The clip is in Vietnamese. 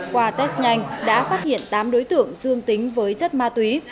qua test nhanh đã phát hiện tám đối tượng dương tính với chất ma túy